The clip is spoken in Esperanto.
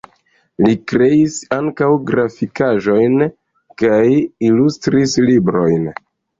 Li kreis ankaŭ grafikaĵojn kaj ilustris librojn.